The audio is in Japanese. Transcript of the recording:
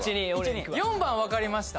４番わかりました